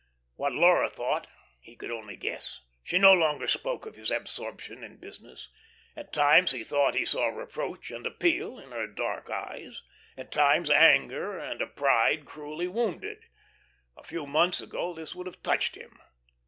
What Laura thought he could only guess. She no longer spoke of his absorption in business. At times he thought he saw reproach and appeal in her dark eyes, at times anger and a pride cruelly wounded. A few months ago this would have touched him.